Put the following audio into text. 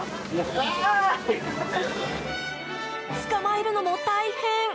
捕まえるのも大変。